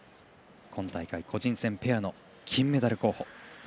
今大会個人戦ペアの金メダル候補。